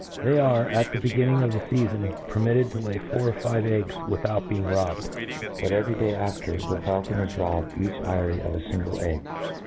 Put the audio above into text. They are, at the begin« ' ning of the feafon, permitted to lay four or five eggs without being robbed ; but, every day af ter^the faukoncrs rob each eyryof a fingle egg.